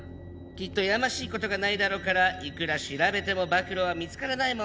きっとやましい事がないだろうからいくら調べても暴露は見つからないもんね。